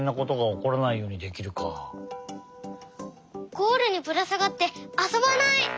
ゴールにぶらさがってあそばない。